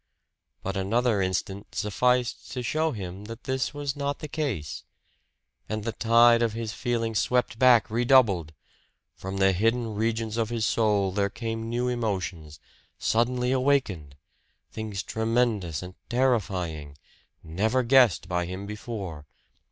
But another instant sufficed to show him that this was not the case. And the tide of his feeling swept back redoubled. From the hidden regions of his soul there came new emotions, suddenly awakened things tremendous and terrifying never guessed by him before.